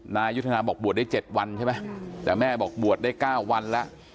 นายุทธนาบอกบวชได้๗วันใช่ไหมแต่แม่บอกบวชได้๙วันแล้ว